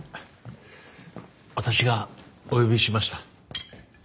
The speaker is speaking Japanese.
私がお呼びしました。